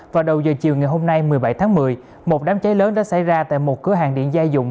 vào đầu giờ chiều ngày hôm nay một mươi bảy tháng một mươi một đám cháy lớn đã xảy ra tại một cửa hàng điện gia dụng